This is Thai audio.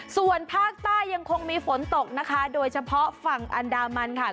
ส่วนภาคใต้ยังคงมีฝนตกนะคะโดยเฉพาะฝั่งอันดามันค่ะ